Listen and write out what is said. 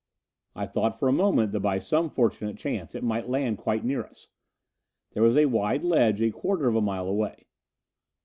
I thought for a moment that by some fortunate chance it might land quite near us. There was a wide ledge a quarter of a mile away.